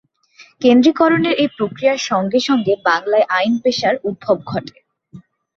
কেন্দ্রীকরণের এ প্রক্রিয়ার সঙ্গে সঙ্গে বাংলায় আইন পেশার উদ্ভব ঘটে।